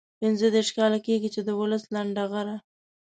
پنځه دېرش کاله کېږي چې د وسلو لنډه غر.